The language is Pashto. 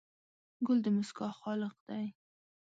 ګل د موسکا خالق دی.